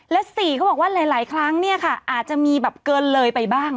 และ๔เขาบอกว่าหลายครั้งเนี่ยค่ะอาจจะมีแบบเกินเลยไปบ้าง